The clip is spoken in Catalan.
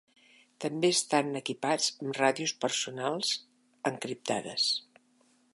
També estan equipats amb ràdios personals encriptades.